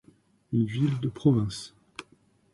Une ville de province.